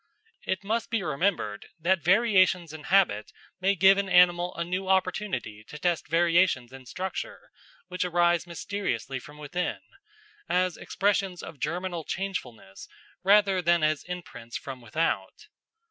It must be remembered that variations in habit may give an animal a new opportunity to test variations in structure which arise mysteriously from within, as expressions of germinal changefulness rather than as imprints from without.